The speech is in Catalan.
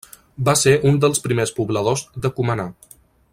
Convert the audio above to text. Va ser un dels primers pobladors de Cumaná.